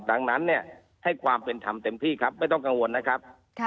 ดังนั้นเนี่ยให้ความเป็นธรรมเต็มที่ครับไม่ต้องกังวลนะครับ